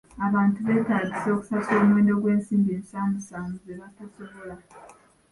Abantu betaagisa okusasula omuwendo gw'ensimbi ensaamusaamu ze batasobola.